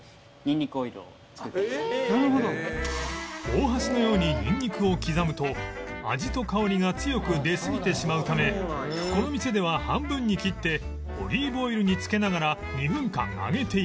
大橋のようにニンニクを刻むと味と香りが強く出すぎてしまうためこの店では半分に切ってオリーブオイルにつけながら２分間揚げていく